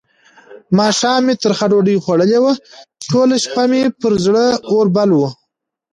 ماښام مې ترخه ډوډۍ خوړلې وه؛ ټوله شپه مې پر زړه اور بل وو.